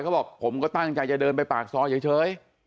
เขาบอกผมก็ตั้งใจจะเดินไปปากซอยเฉย